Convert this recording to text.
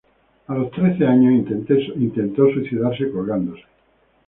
A los trece años intente suicidarse colgándose.